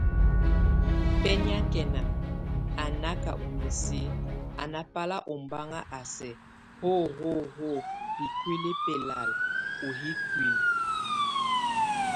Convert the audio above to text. Béniakɛn, a nákʼ o misi, a nábal óbaŋ a sɛk hɔ́ hɔ́ hɔ́ bíkúli belal o yʼ íkuli.